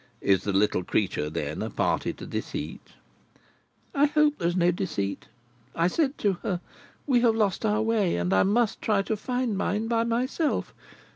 "Is the little creature, then, a party to deceit?" "I hope there is no deceit. I said to her, 'We have lost our way, and I must try to find mine by myself.